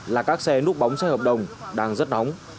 là các xe núp bóng xe hợp đồng đang rất nóng